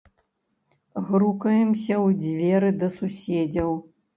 Грукаемся ў дзверы да суседзяў.